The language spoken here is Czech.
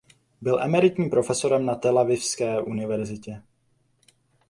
Byl emeritním profesorem na Telavivské univerzitě.